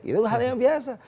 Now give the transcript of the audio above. itu hal yang biasa